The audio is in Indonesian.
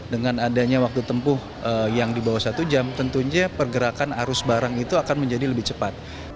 dengan adanya waktu tempuh yang di bawah satu jam tentunya pergerakan arus barang itu akan menjadi lebih cepat